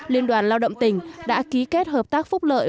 liên đoàn lao động tỉnh đã ký kết hợp tác phúc lợi